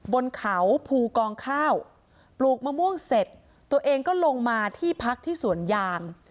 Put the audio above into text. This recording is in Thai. บนเขาภูกองข้าวปลูกมะม่วงเสร็จตัวเองก็ลงมาที่พักที่สวนยาง